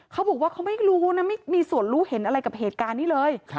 เขาบอกว่าเขาไม่รู้นะไม่มีส่วนรู้เห็นอะไรกับเหตุการณ์นี้เลย